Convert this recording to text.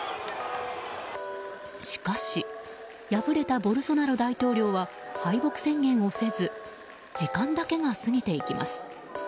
しかし敗れたボルソナロ大統領は敗北宣言をせず時間だけが過ぎていきます。